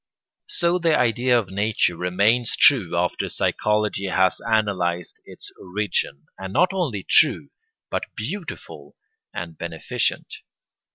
So the idea of nature remains true after psychology has analysed its origin, and not only true, but beautiful and beneficent.